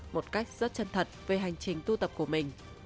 một cách rất chân thật về hành trình tu tập của mình